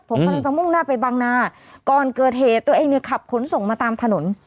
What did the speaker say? ผมกำลังจะมุ่งหน้าไปบางนาก่อนเกิดเหตุตัวเองเนี่ยขับขนส่งมาตามถนน